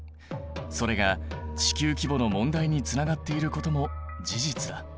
それが地球規模の問題につながっていることも事実だ。